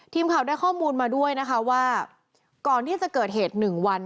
ทีมข่าวได้ข้อมูลมาด้วยนะคะว่าก่อนที่จะเกิดเหตุหนึ่งวัน